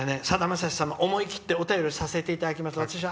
「さだまさしさんに思い切ってお便りさせてもらいます。